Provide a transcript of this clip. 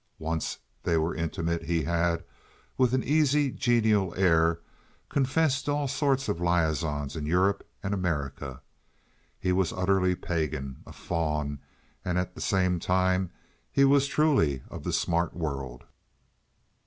Once they were intimate he had, with an easy, genial air, confessed to all sorts of liaisons in Europe and America. He was utterly pagan—a faun—and at the same time he was truly of the smart world.